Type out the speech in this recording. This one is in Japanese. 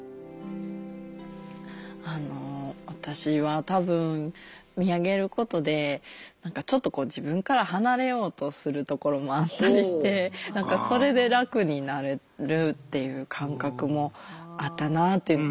あの私は多分見上げることで何かちょっとこう自分から離れようとするところもあったりして何かそれで楽になれるっていう感覚もあったなっていう。